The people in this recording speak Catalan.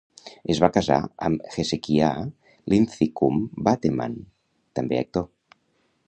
Es va casar amb Hezekiah Linthicum Bateman, també actor.